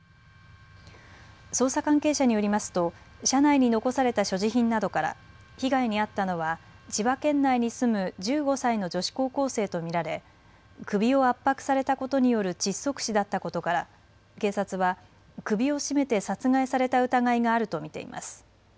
捜査関係者によりますと車内に残された所持品などから被害に遭ったのは千葉県内に住む１５歳の女子高校生と見られ首を圧迫されたことによる窒息死だったことから警察は首を絞めて殺害された疑いがあると見ています。